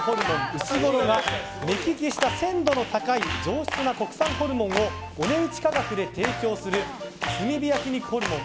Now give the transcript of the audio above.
うしごろが目利きした鮮度の高い上質な国産ホルモンをお値打ち価格で提供する炭火焼肉ホルモン